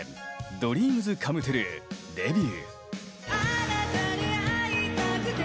ＤＲＥＡＭＳＣＯＭＥＴＲＵＥデビュー。